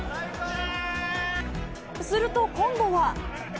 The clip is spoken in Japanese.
すると今度は。